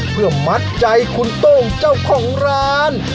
เพื่อมัดใจคุณโต้งเจ้าของร้าน